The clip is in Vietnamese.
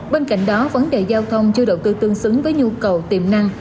bên cạnh đó vấn đề giao thông chưa đầu tư tương xứng với nhu cầu tiềm năng